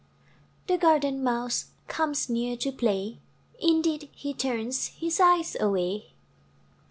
The garden Mouse Comes near to play; Indeed, he turns His eyes away.